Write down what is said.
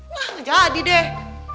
wah nggak jadi deh